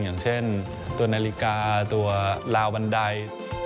อย่างเช่นตัวนาฬิกาตัวลาวบันได